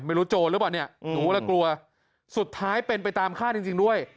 ไม่รู้โจรหรือเปล่าเนี่ยดูแล้วกลัวสุดท้ายเป็นไปตามฆ่าจริงด้วย